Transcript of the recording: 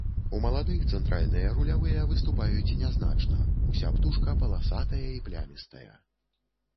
У маладых цэнтральныя рулявыя выступаюць нязначна, уся птушка паласатая і плямістая.